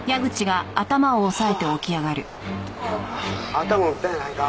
頭打ったんやないか？